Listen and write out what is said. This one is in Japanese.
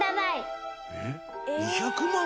えっ？２００万？